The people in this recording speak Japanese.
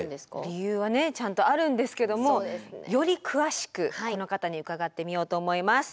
理由はねちゃんとあるんですけどもより詳しくこの方に伺ってみようと思います。